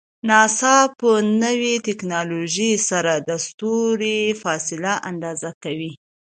ناسا په نوی ټکنالوژۍ سره د ستورو فاصله اندازه کوي.